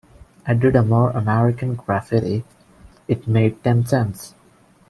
I did a "More American Graffiti"; it made ten cents.